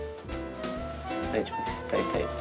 大丈夫です大体。